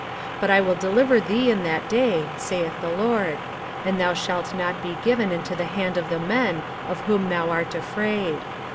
24:039:017 But I will deliver thee in that day, saith the LORD: and thou shalt not be given into the hand of the men of whom thou art afraid.